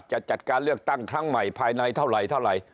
จะจัดการเลือกตั้งทั้งใหม่ภายในเท่าไหร่